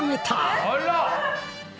あら！